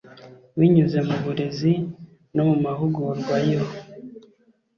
binyuze mu burezi no mu mahugurwa yo